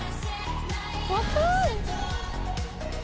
若い！